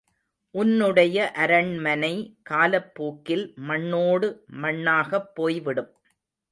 உன்னுடைய அரண்மனை காலப்போக்கில் மண்ணோடு மண்ணாகப் போய்விடும்.